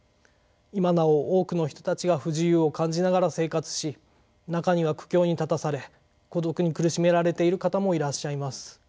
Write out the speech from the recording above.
今なお多くの人たちが不自由を感じながら生活し中には苦境に立たされ孤独に苦しめられている方もいらっしゃいます。